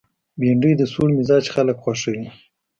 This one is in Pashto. بېنډۍ د سوړ مزاج خلک خوښوي